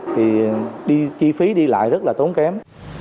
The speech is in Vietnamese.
thì chi phí đi lại rất là tốn kém